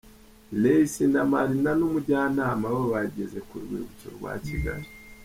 Ray C na Marina n'umujyanama we bageze ku rwibutso rwa Kigali.